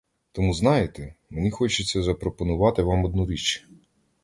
Тому, знаєте, мені хочеться запропонувати вам одну річ.